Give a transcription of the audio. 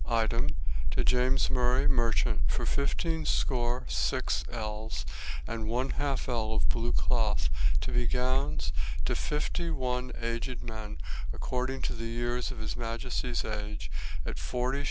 "Item, to James Murray, merchant, for fyftene scoir sex elnis and aine half elne of blew claith to be gownis to fyftie ane aigeit men, according to the yeiris of his Majesteis age, at xl s.